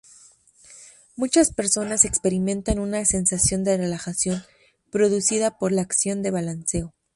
Muchas personas experimentan una sensación de relajación producida por la acción de balanceo.